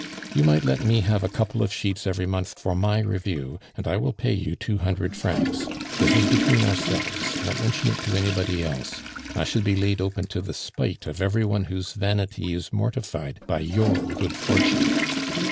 You might let me have a couple of sheets every month for my review, and I will pay you two hundred francs. This is between ourselves, don't mention it to anybody else; I should be laid open to the spite of every one whose vanity is mortified by your good fortune.